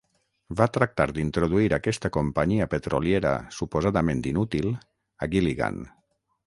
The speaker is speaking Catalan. Va tractar d'introduir aquesta companyia petroliera suposadament inútil a Gilligan.